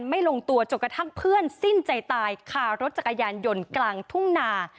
ลงตัวจนกระทั่งเพื่อนสิ้นใจตายคารถจักรยานยนต์กลางทุ่งนา